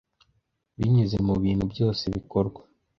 Binyuze mubintu byose bikorwa.